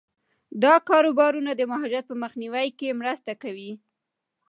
دا کاروبارونه د مهاجرت په مخنیوي کې مرسته کوي.